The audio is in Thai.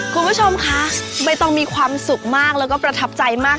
คุณผู้ชมคะใบตองมีความสุขมากแล้วก็ประทับใจมาก